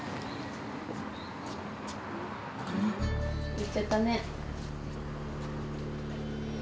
行っちゃったね。